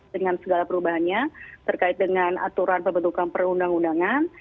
dengan segala perubahannya terkait dengan aturan pembentukan perundang undangan